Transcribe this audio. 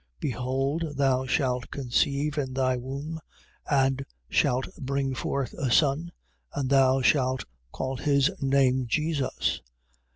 1:31. Behold thou shalt conceive in thy womb and shalt bring forth a son: and thou shalt call his name Jesus.